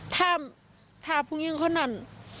ถ้าถ้าผู้งิ้งเขานั้น